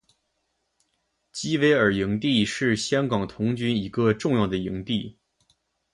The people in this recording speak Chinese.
基维尔营地是香港童军一个重要的营地。